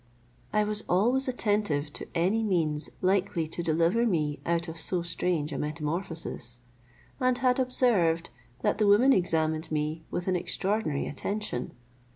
I was always attentive to any means likely to deliver me out of so strange a metamorphosis, and had observed that the woman examined me with an extraordinary attention.